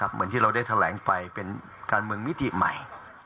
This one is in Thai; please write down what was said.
เหมือนที่เราได้แถลงไปเป็นการเมืองมิติใหม่